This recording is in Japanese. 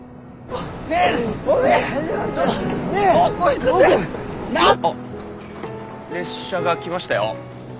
あっ列車が来ましたよ。